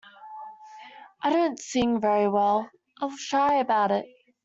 I don't sing very well, I was shy about it.